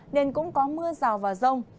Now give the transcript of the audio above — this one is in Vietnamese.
nên cũng có mưa rào và rông